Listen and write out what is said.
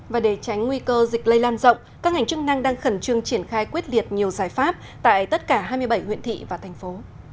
và để tránh nguy cơ dịch lây lan rộng các ngành chức năng đang khẩn trương triển khai quyết liệt nhiều giải pháp tại tất cả hai mươi bảy huyện thị và thành phố